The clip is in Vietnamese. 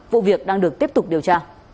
vụ việc đang được tiếp tục điều tra